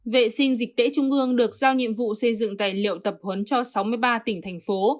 vệ sinh dịch tễ trung ương được giao nhiệm vụ xây dựng tài liệu tập huấn cho sáu mươi ba tỉnh thành phố